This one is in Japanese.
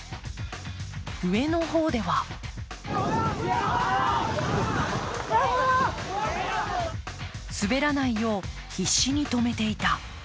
上の方では滑らないよう必死に止めていた。